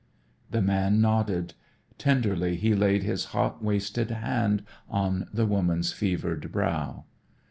The man nodded. Tenderly he laid his hot wasted hand on the woman's fevered brow.